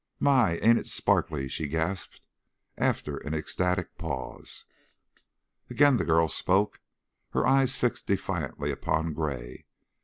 "My! Ain't it sparkly?" she gasped, after an ecstatic pause. Again the girl spoke, her eyes fixed defiantly upon Gray.